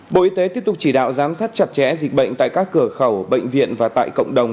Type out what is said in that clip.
bộ y tế tiếp tục chỉ đạo giám sát chặt chẽ dịch bệnh tại các cửa khẩu bệnh viện và tại cộng đồng